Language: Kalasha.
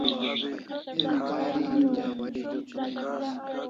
Emi kahari hin dai